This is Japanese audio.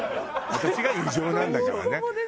私が異常なんだからね。